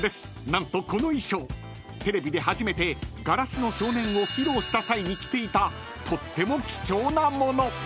何とこの衣装テレビで初めて『硝子の少年』を披露した際に着ていたとっても貴重な物］